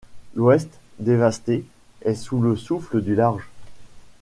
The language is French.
L’ouest, dévasté, est sous le souffle du large.